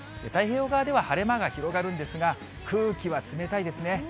太平洋側では晴れ間が広がるんですが、空気は冷たいですね。